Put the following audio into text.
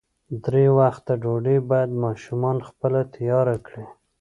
درې وخته ډوډۍ باید ماشومان خپله تیاره کړي.